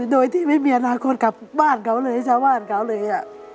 โดยที่ไม่มีอนาคตกลับบ้านเขาเลยชาวบ้านเขาเลย